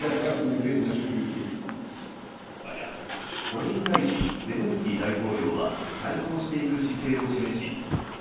これに対しゼレンスキー大統領は対抗していく姿勢を示し